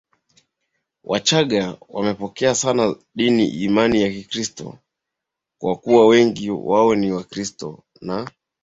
Wachagga wamepokea sana dini imani ya Ukristo kwa kuwa wengi wao ni Wakristo na